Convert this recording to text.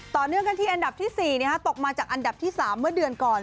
ต่อเนื่องกันที่อันดับที่๔ตกมาจากอันดับที่๓เมื่อเดือนก่อน